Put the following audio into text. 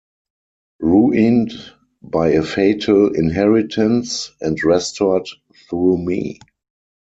Ruined by a fatal inheritance, and restored through me!